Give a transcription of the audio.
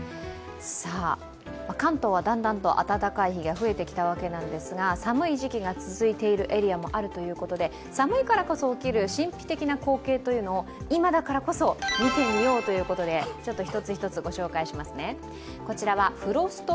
関東はだんだんと温かい日が増えてきたわけなんですが、寒い時期が続いているエリアもあるということで、寒いからこそ起きる神秘的な光景というのを今だからこそ見てみようということで一つ一つご紹介しますね。